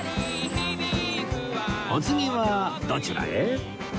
お次はどちらへ？